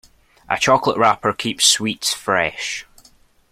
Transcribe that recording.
A chocolate wrapper keeps sweets fresh.